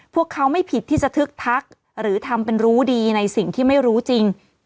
พวกเขาไม่ผิดที่จะทึกทักหรือทำเป็นรู้ดีในสิ่งที่ไม่รู้จริง